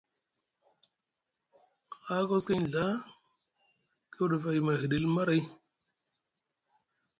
Haa koskoy nɵa kdaf a yima hiɗil maray.